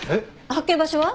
発見場所は？